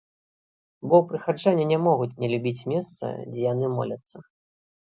Бо прыхаджане не могуць не любіць месца, дзе яны моляцца.